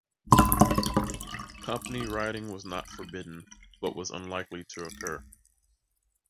Company riding was not forbidden but was unlikely to occur.